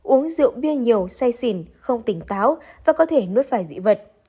uống rượu bia nhiều say xỉn không tỉnh táo và có thể nuốt phải dị vật